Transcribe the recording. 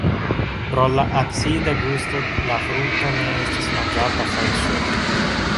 Pro la acida gusto la frukto ne estas manĝata freŝe.